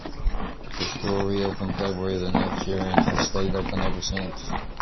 The school reopened February the next year and has stayed open ever since.